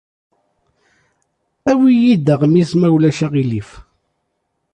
Awi-iyi-d aɣmis, ma ulac aɣilif.